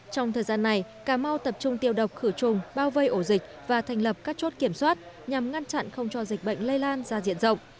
trong thời gian này cà mau tập trung tiêu độc khử trùng bao vây ổ dịch và thành lập các chốt kiểm soát nhằm ngăn chặn không cho dịch bệnh lây lan ra diện rộng